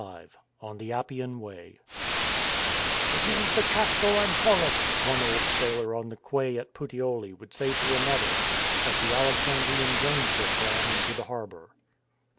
XXXV ON THE APPIAN WAY "T T is the Castor and Pollux," one old sailor on the I quay at Puteoli would say to another as the Alexandrian grain ship ran into the harbour.